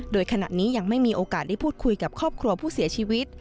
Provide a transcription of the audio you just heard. โดยขณะนี้ยังไม่มีโอกาสได้พูดคุยกับครอบครัวผู้เสียชีวิต